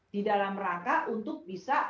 di dalam rangka untuk bisa